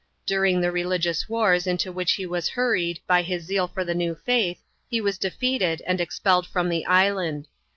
During the religious wars into which he waff hurried, by his zeal for the new faith, he was defeated, and expelled from the island.